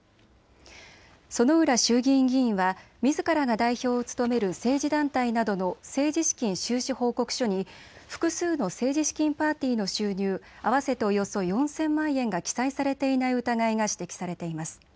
薗浦衆議院議員はみずからが代表を務める政治団体などの政治資金収支報告書に複数の政治資金パーティーの収入合わせておよそ４０００万円が記載されていない疑いが指摘されています。